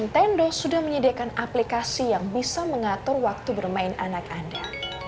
perusahaan game nintendo sudah menyediakan aplikasi yang bisa mengatur waktu bermain anak anda